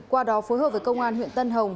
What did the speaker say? qua đó phối hợp với công an huyện tân hồng